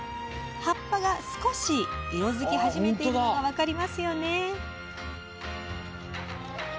葉っぱが少し色づき始めているのが分かりますよね。